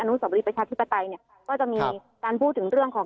อนุสบุรีประชาธิปไตยก็จะมีการพูดถึงเรื่องของ